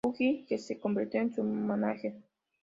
Fuji, que se convirtió en su mánager.